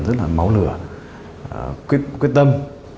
rất là máu lửa quyết tâm